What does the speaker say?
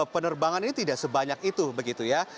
penerbangan ini tidak sebanyak itu begitu ya